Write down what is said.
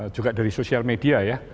juga dari sosial media ya